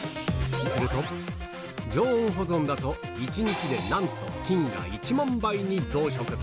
すると、常温保存だと１日でなんと菌が１万倍に増殖。